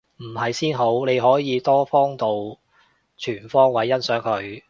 唔係先好，你可以多方度全方位欣賞佢